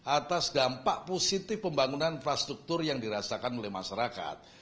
atas dampak positif pembangunan infrastruktur yang dirasakan oleh masyarakat